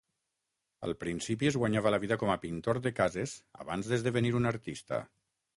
Al principi es guanyava la vida com a pintor de cases abans d'esdevenir un artista.